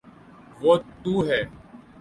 وہ تو ہیں۔